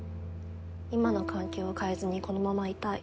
今の関係を変えずにこのままいたい。